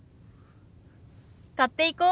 買っていこう。